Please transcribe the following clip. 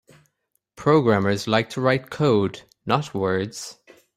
Programmers like to write code; not words.